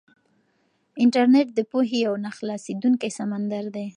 انټرنيټ د پوهې یو نه خلاصېدونکی سمندر دی.